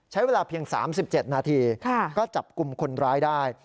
ใช้เวลาเพียง๓๗นาทีก็จับกลุ่มคนร้ายได้